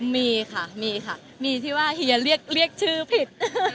มีค่ะมีค่ะมีที่ว่าเฮียเรียกชื่อผิด